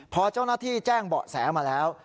พอเจ้าหน้าที่แจ้งเบาะแสมาแล้ว